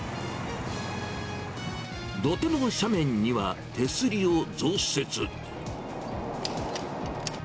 土手の斜面には手すりを増設。